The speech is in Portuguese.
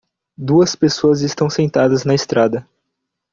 Duas pessoas estão sentadas na estrada.